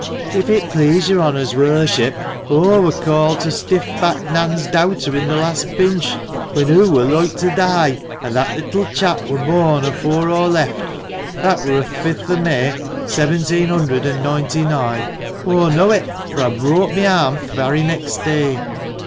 "If it please your honour's worship, aw wur called to stiff backed Nan's dowter in the last pinch, when hoo wur loike to die, an' that little chap wur born afore aw left, an' that wur o' th' fifth o' May, seventeen hunderd and nointy noine. Aw know it, fur aw broke mi arm th' varry next day."